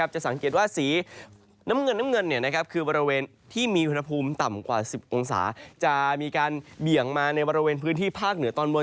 จะสังเกตว่าสีน้ำเงินน้ำเงินคือบริเวณที่มีอุณหภูมิต่ำกว่า๑๐องศาจะมีการเบี่ยงมาในบริเวณพื้นที่ภาคเหนือตอนบน